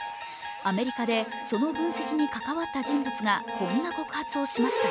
アメリカで、その分析に関わった人物が、こんな告発をしました。